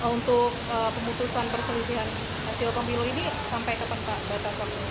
untuk pemutusan perselisihan hasil kompil ini sampai ke tempat batas